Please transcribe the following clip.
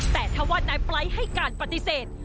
แต่ถ้าว่านายไลท์ให้การปฏิเสธ